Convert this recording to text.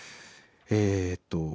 えっと